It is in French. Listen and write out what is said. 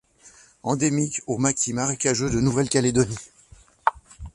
Endémique aux maquis marécageux de Nouvelle-Calédonie.